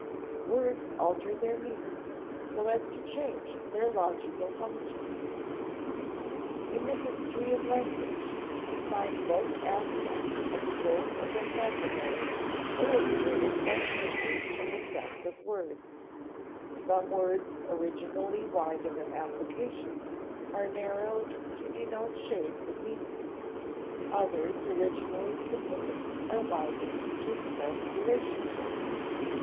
[Sidenote: Words alter their meanings so as to change their logical functions] In the history of language we find both aspects of the growth of vocabulary illustrated by changes in the sense of words: some words originally wide in their application are narrowed to denote shades of meaning; others originally specific are widened to express relationships.